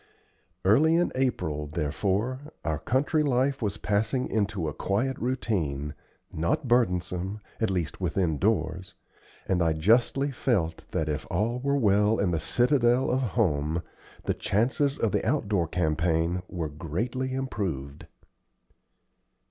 Early in April, therefore, our country life was passing into a quiet routine, not burdensome, at least within doors; and I justly felt that if all were well in the citadel of home, the chances of the outdoor campaign were greatly improved.